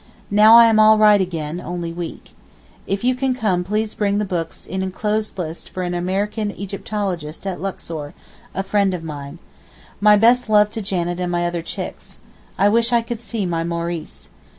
Now I am all right again, only weak. If you can come please bring the books in enclosed list for an American Egyptologist at Luxor—a friend of mine. My best love to Janet and my other chicks. I wish I could see my Maurice.